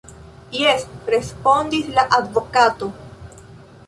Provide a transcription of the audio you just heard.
Jes, respondis la advokato.